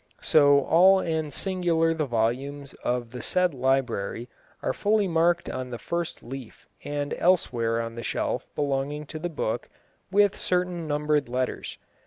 So all and singular the volumes of the said library are fully marked on the first leaf and elsewhere on the shelf belonging to the book, with certain numbered letters.